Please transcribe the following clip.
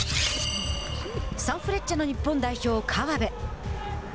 サンフレッチェの日本代表川辺。